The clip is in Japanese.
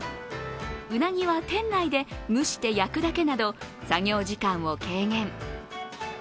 うなぎは店内で蒸して焼くだけなど作業時間を軽減。